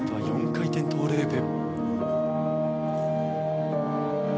４回転トウループ。